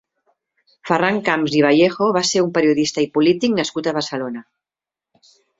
Ferran Camps i Vallejo va ser un periodista i polític nascut a Barcelona.